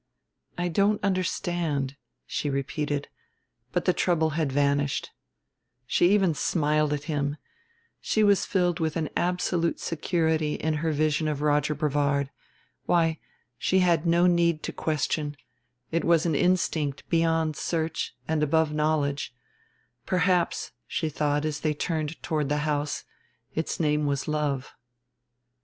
"I don't understand," she repeated, but the trouble had vanished. She even smiled at him: she was filled with an absolute security in her vision of Roger Brevard. Why, she had no need to question; it was an instinct beyond search and above knowledge; perhaps, she thought as they turned toward the house, its name was love.